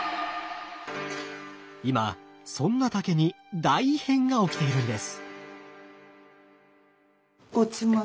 今そんな竹に大異変が起きているんです。